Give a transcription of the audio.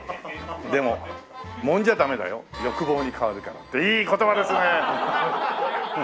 「でももんじゃダメだよ欲望に変わるから」っていい言葉ですね。